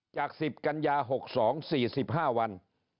จากสิบกัญญาหกสองสี่สิบห้าวัน